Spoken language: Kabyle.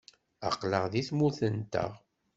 Aql-aɣ deg tmurt-nteɣ.